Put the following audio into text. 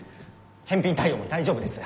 返品対応も大丈夫です。